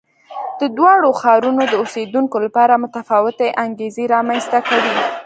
د دواړو ښارونو د اوسېدونکو لپاره متفاوتې انګېزې رامنځته کوي.